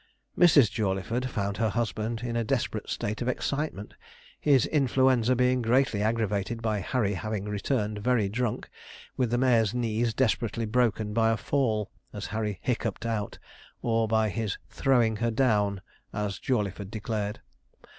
Mrs. Jawleyford found her husband in a desperate state of excitement, his influenza being greatly aggravated by Harry having returned very drunk, with the mare's knees desperately broken 'by a fall,' as Harry hiccuped out, or by his 'throwing her down,' as Jawleyford declared.